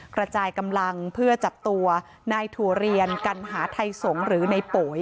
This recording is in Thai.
กระจายกำลังเพื่อจับตัวนายถั่วเรียนกัณหาไทยสงฆ์หรือในโป๋ย